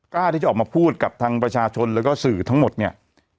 กล้าที่จะออกมาพูดกับทางประชาชนแล้วก็สื่อทั้งหมดเนี่ย